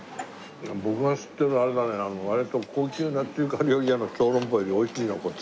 僕が知ってるあれだね割と高級な中華料理屋の小籠包よりおいしいなこっちの方が。